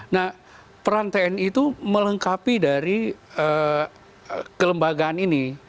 nah peran tni itu melengkapi dari kelembagaan ini